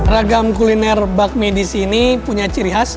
ragam kuliner bakmi disini punya ciri khas